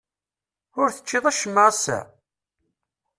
Ur teččiḍ acemma ass-a?